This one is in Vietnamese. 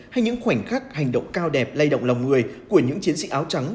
hay những khoảnh khắc hành động cao đẹp lay động lòng người của những chiến sĩ áo trắng